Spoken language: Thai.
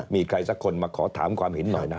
มีใครสักคนมาขอถามความเห็นหน่อยนะ